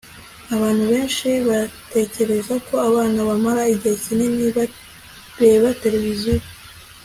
abantu benshi batekereza ko abana bamara igihe kinini bareba televiziyo